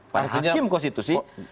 pak hakim konstitusi